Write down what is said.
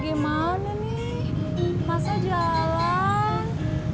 gimana nih masa jalan